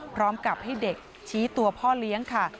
พร้อมกับให้เด็กชี้ตัวพ่อเลี้ยงค่ะ